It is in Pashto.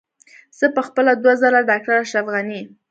زه په خپله دوه ځله ډاکټر اشرف غني.